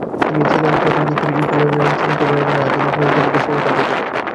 তিনি ছিলেন প্রথমদিকের ইউটিলিটারিয়ানিজম সমর্থকদের একজন এবং আধুনিক নৈরাজ্যবাদের সর্বপ্রথম প্রচারক।